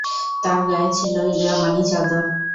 তার গায়ে ছিল ইয়ামানী চাদর!